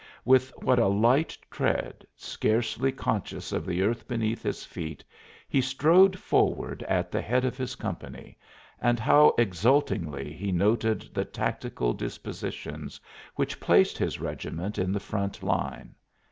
With what a light tread, scarcely conscious of the earth beneath his feet, he strode forward at the head of his company, and how exultingly he noted the tactical dispositions which placed his regiment in the front line!